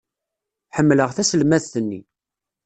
Ḥemmleɣ taselmadt-nni.